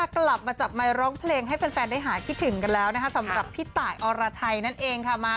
กลับมาจับไมค์ร้องเพลงให้แฟนได้หายคิดถึงกันแล้วนะคะสำหรับพี่ตายอรไทยนั่นเองค่ะ